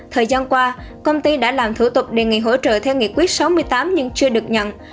thời gian qua công ty đã làm thủ tục đề nghị hỗ trợ theo nghị quyết sáu mươi tám nhưng chưa được nhận